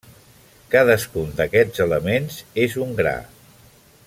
Cadascun d'aquests elements és un gra.